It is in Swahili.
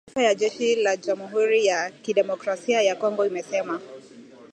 Taarifa ya jeshi la Jamhuri ya kidemokrasia ya Kongo imesema.